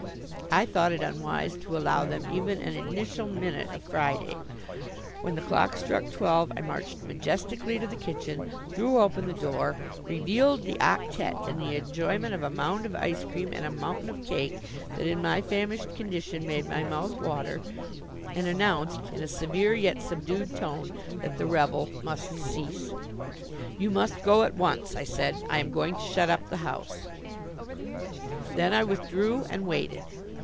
I thought it unwise to allow them even an initial minute of Friday. When the clock struck twelve, I marched majestically to the kitchen, threw open the door, revealed the octette in the enjoyment of a mound of ice cream and a mountain of cake that in my famished condition made my mouth water and announced in a severe, yet subdued tone, that the revel must cease. "You must go at once," I said, "I am going to shut up the house." Then I withdrew and waited.